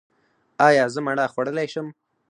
ایا زه مڼه خوړلی شم؟